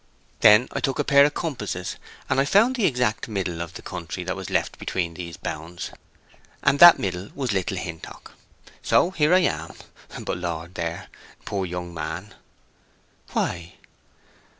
Then I took a pair of compasses, and found the exact middle of the country that was left between these bounds, and that middle was Little Hintock; so here I am....' But, Lord, there: poor young man!" "Why?"